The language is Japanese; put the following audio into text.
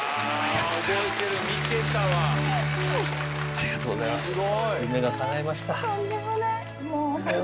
ありがとうございます。